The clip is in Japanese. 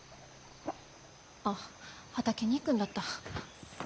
あっ畑に行くんだった。